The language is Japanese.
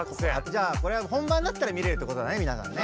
じゃあこれは本番になったら見れるってことだねみなさんね。